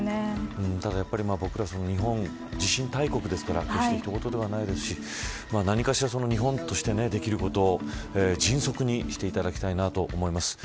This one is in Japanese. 僕ら日本、地震大国ですから決して他人事ではないですし何かしら日本としてできることを迅速にしていただきたいなと思います。